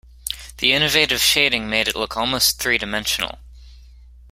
The innovative shading made it look almost three-dimensional.